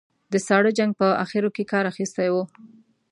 د ساړه جنګ په اخرو کې کار اخیستی و.